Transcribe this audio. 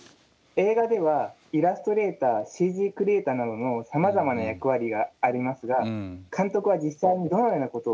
映画ではイラストレーターＣＧクリエーターなどのさまざまな役割がありますが監督は実際にどのようなことをしているのでしょうか？